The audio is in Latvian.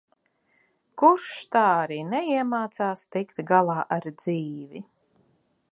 Kurš tā arī neiemācās tikt galā ar dzīvi.